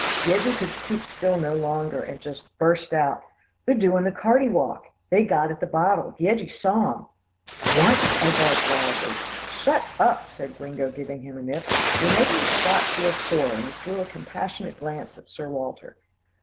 Yeggie could keep still no longer, and just burst out, "They're doing the Carty walk they got at the bottle. Yeggie saw 'em." "What!" I barked wildly. "Shut up," said Gringo giving him a nip, "you're making Scott feel sore," and he threw a compassionate glance at Sir Walter.